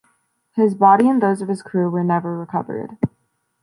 His body and those of his crew were never recovered.